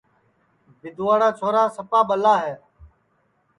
سیدھواڑا سروٹؔ سپا ٻلا منکھ ہے